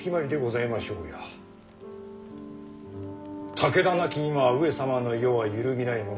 武田亡き今上様の世は揺るぎないもの。